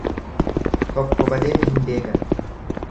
Tokko badeef hin deegan.